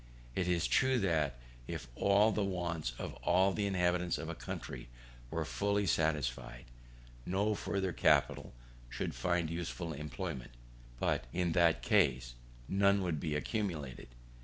It is true that if all the wants of all the inhabitants of a country were fully satisfied, no further capital could find useful employment; but, in that case, none would be accumulated.